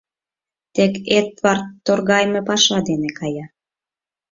— Тек Эдвард торгайыме паша дене кая.